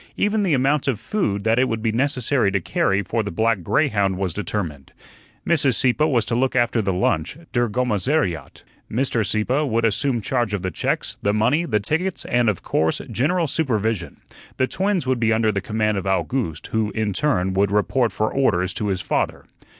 Even the amount of food that it would be necessary to carry for the black greyhound was determined. Mrs. Sieppe was to look after the lunch, "der gomisariat." Mr. Sieppe would assume charge of the checks, the money, the tickets, and, of course, general supervision. The twins would be under the command of Owgooste, who, in turn, would report for orders to his father.